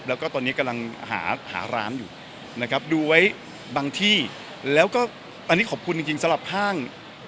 แล้วก็ตอนนี้กำลังหาหาร้านอยู่นะครับดูไว้บางที่แล้วก็อันนี้ขอบคุณจริงสำหรับห้าง